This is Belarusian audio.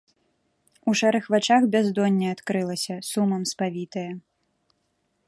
У шэрых вачах бяздонне адкрылася, сумам спавітае.